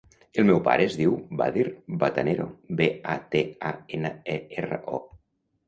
El meu pare es diu Badr Batanero: be, a, te, a, ena, e, erra, o.